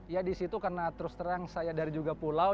ya disitu karena terus terang saya dari juga pulau